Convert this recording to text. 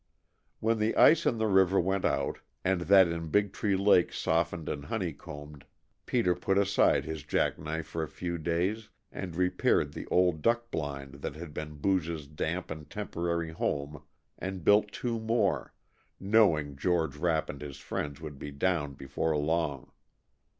When the ice in the river went out, and that in Big Tree Lake softened and honeycombed, Peter put aside his jack knife for a few days and repaired the old duck blind that had been Booge's damp and temporary home, and built two more, knowing George Rapp and his friends would be down before long.